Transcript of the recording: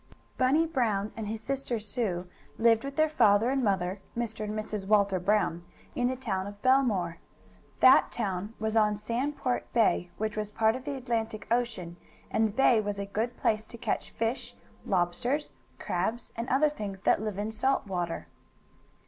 Bunny Brown and his sister Sue lived with their father and mother, Mr. and Mrs. Walter Brown, in the town of Bellemere. That town was on Sandport Bay, which was part of the Atlantic Ocean, and the bay was a good place to catch fish, lobsters, crabs and other things that live in salt water.